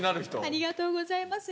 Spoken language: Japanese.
ありがとうございます。